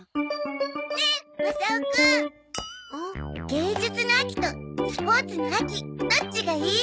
芸術の秋とスポーツの秋どっちがいい？